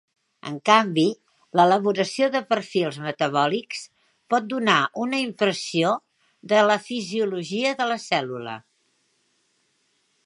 En canvi, l'elaboració de perfils metabòlics pot donar una impressió de la fisiologia de la cèl·lula.